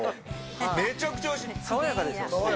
めちゃくちゃおいしい。